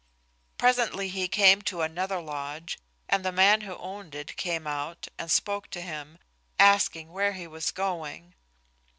Presently he came to another lodge, and the man who owned it came out and spoke to him, asking where he was going.